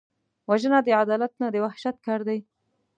وژنه د عدالت نه، د وحشت کار دی